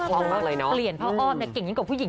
มากเลยเนาะเปลี่ยนพระอ้อมเนี่ยเก่งยิ่งกว่าผู้หญิง